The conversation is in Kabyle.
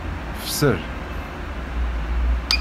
Fser.